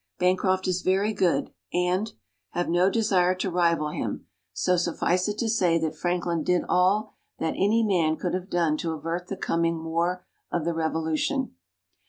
Bancroft is very good, and! have no desire to rival him, so suffice it to say that Franklin did all that any man could have done to avert the coming War of the Revolution.